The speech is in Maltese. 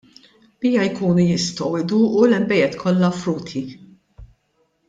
Biha jkunu jistgħu jduqu l-inbejjed kollha offruti.